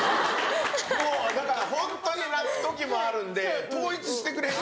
もうだからホントに泣く時もあるんで統一してくれと。